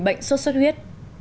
bệnh xuất xuất huyết